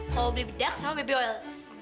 kalau beli bedak sama baby oil